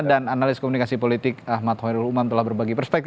dan analis komunikasi politik ahmad hoerul umam telah berbagi perspektif